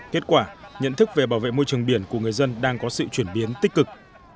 kết quả nhận thức về bảo vệ môi trường biển của người dân đang có sự chuyển biến tích cực